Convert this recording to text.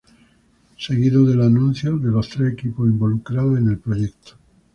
Seguido del anuncio de los tres equipos involucrados en el proyecto.